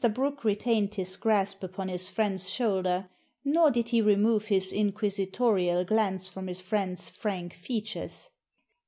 Brooke retained his grasp upon his friend's shoulder, nor did he remove his inquisitorial glance from his friend's frank features.